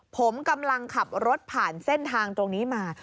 ผมกำลังขับรถผ่านเส้นทางตรงนี้มา